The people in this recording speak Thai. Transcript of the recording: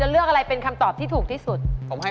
หรือแพ้เทพฯ์กี่รถกัน